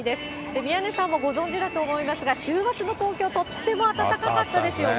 宮根さんもご存じだと思いますが、週末の東京、とても暖かかったですよね。